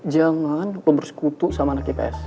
jangan lu bersekutu sama anak ibu pak